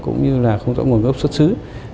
cũng như là không có nguồn gốc xuất xứ